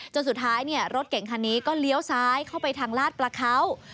จนสุดท้ายรถเก่งคันนี้ก็เลี้ยวซ้ายเข้าไปทางลาดประเขา